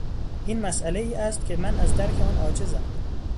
این مسئلهای است که من از درک آن عاجزم.